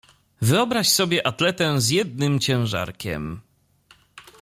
"Wyobraź sobie atletę z jednym ciężarkiem."